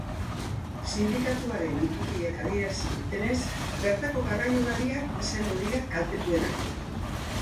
Sindikatuaren iturriek adierazi dutenez, bertako garraiolariak izango dira kaltetuenak.